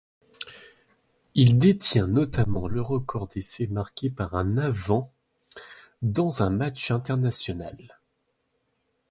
Il détient notamment le record d'essais marqués par un avant dans un match international.